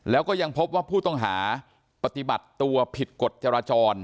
แล้วก็ยังพบว่าผู้ต้องหาปฏิบัติตัวผิดกฎจราจร